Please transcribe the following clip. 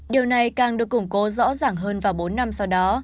điều này càng được củng cố rõ ràng hơn vào bốn năm sau đó